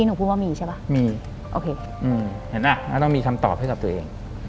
หลังจากนั้นเราไม่ได้คุยกันนะคะเดินเข้าบ้านอืม